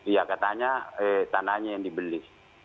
ya katanya tanahnya yang dibeli